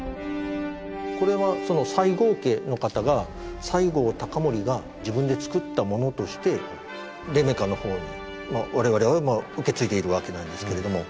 これはその西郷家の方が西郷隆盛が自分で作ったものとして黎明館のほうに我々は受け継いでいるわけなんですけれども。